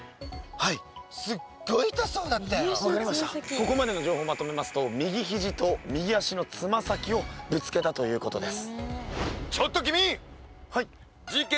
ここまでの情報をまとめますと右ひじと右足のつま先をぶつけたということです。